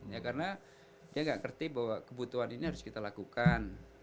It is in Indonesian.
ya karena dia nggak ngerti bahwa kebutuhan ini harus kita lakukan